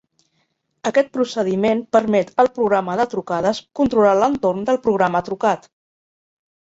Aquest procediment permet al programa de trucades controlar l'entorn del programa trucat.